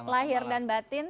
lahir dan batin